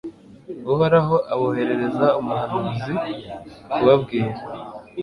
uhoraho aboherereza umuhanuzi kubabwira